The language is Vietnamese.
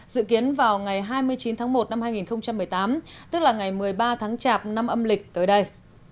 dự kiến vào ngày hai mươi chín tháng một năm hai nghìn một mươi tám tức là ngày một mươi ba tháng chạp năm âm lịch tới đây